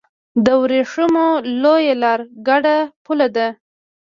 د ورېښمو لویه لار ګډه پوله ده.